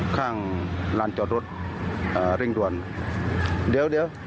ข้างลานจอดรถเอ่อเร่งด่วนเดี๋ยวเดี๋ยว